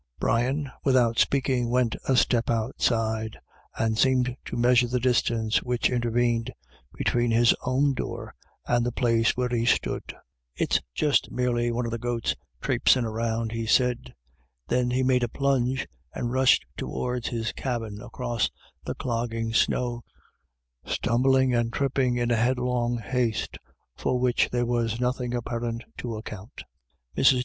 Brian, without speaking, went a step outside, and seemed to mea sure the distance which intervened between his own door and the place where he stood. "It's just merely one of the goats trapesin' around," he said. Then he made a plunge, and rushed towards his cabin across the clogging snow, stumbling and trip ping in a headlong haste, for which there was noth ing apparent to account. Mrs.